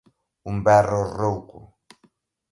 Un berro rouco.